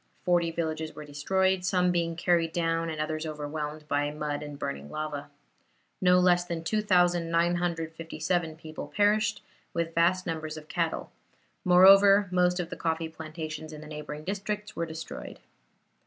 Forty villages were destroyed, some being carried down and others overwhelmed by mud and burning lava. No less than 2,957 people perished, with vast numbers of cattle; moreover, most of the coffee plantations in the neighboring districts were destroyed.